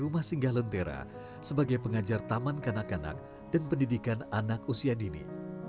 rumah singgah lentera sebagai pengajar taman kanak kanak dan pendidikan anak usia dini